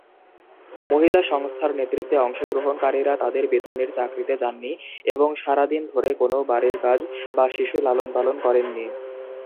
মহিলা সংস্থার নেতৃত্বে অংশগ্রহণকারীরা তাদের বেতনের চাকরিতে যাননি এবং সারা দিন ধরে কোনও বাড়ির কাজ বা শিশু লালন পালন করেননি।